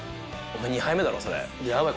２杯目だろそれヤバい